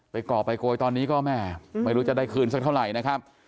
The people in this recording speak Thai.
ก่อไปโกยตอนนี้ก็แม่ไม่รู้จะได้คืนสักเท่าไหร่นะครับ